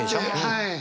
はい。